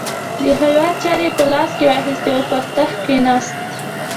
د هیواد چارې یې په لاس کې واخیستې او پر تخت کښېناست.